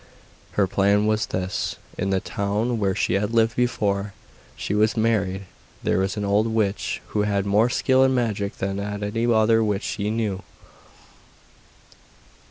Her plan was this. In the town where she had lived before she was married there was an old witch, who had more skill in magic that any other witch she knew.